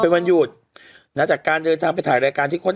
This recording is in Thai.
เป็นวันหยุดนะจากการเดินทางไปถ่ายรายการที่ค้น